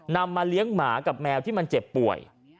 มาเลี้ยงหมากับแมวที่มันเจ็บป่วย